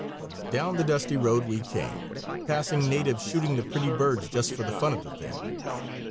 Down the dusty road we came, passing natives shooting the pretty birds just for the fun of the thing.